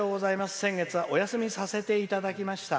先月はお休みさせていただきました。